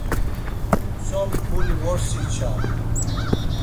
Tzo mbuli vorsi inçanu.